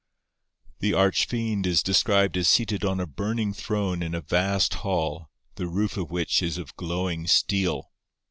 The Arch Fiend is described as seated on a burning throne in a vast hall, the roof of which is of glowing steel.